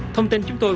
thông tin chúng tôi